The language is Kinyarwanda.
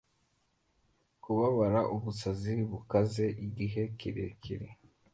kubabara ubusazi bukaze Igihe kirekire